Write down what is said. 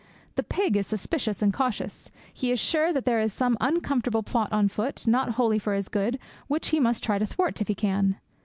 The pig is suspicious and cautious; he is sure that there is some uncomfortable plot on foot, not wholly for his good, which he must try to thwart if he can.